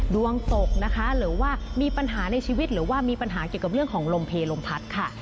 ดวงตกนะคะหรือว่ามีปัญหาในชีวิตหรือว่ามีปัญหาเกี่ยวกับเรื่องของลมเพลลมพัดค่ะ